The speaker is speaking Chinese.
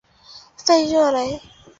弗热雷。